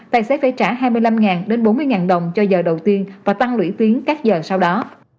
tài xế phải trả hai mươi năm đến bốn mươi đồng cho giờ đầu tiên và tăng lũy tuyến các giờ sau đó